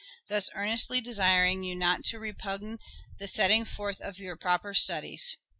... Thus earnestly desiring you not to repugn the setting forth of your own proper studies.